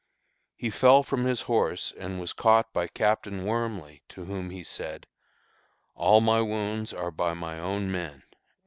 "He fell from his horse, and was caught by Captain Wormly, to whom he said, 'All my wounds are by my own men.'"